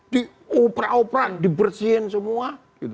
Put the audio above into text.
di operan operan dibersihin semua